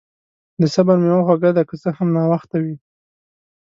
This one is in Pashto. د صبر میوه خوږه ده، که څه هم ناوخته وي.